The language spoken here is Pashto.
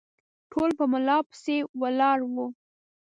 ټول په ملا پسې ولاړ وه